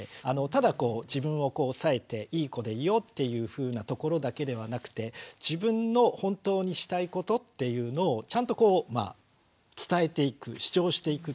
ただ自分をこう抑えていい子でいようっていうふうなところだけではなくて自分の本当にしたいことっていうのをちゃんとこう伝えていく主張していく。